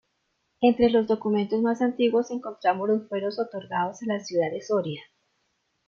Entre los documentos más antiguos encontramos los fueros otorgados a la ciudad de Soria.